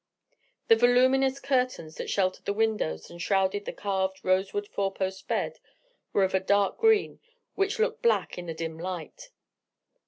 The voluminous curtains that sheltered the windows, and shrouded the carved rosewood four post bed, were of a dark green, which looked black in the dim light.